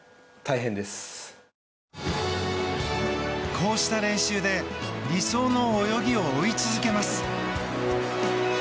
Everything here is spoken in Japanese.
こうした練習で理想の泳ぎを追い続けます。